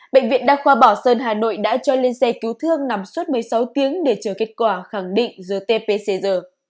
bệnh viện đa khoa bảo sơn hà nội đã cho lên xe cứu thương nằm suốt một mươi sáu tiếng để chờ kết quả khẳng định gtc